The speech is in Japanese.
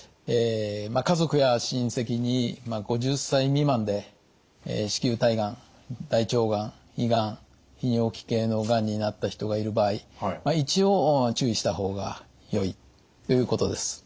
家族や親せきに５０歳未満で子宮体がん大腸がん胃がん泌尿器系のがんになった人がいる場合一応注意した方がよいということです。